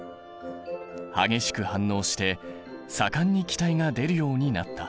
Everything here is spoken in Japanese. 激しく反応して盛んに気体が出るようになった。